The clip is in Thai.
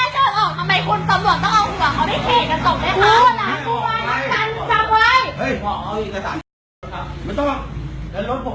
ช่วยด้วยค่ะส่วนสุด